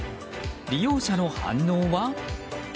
利用者の反応は？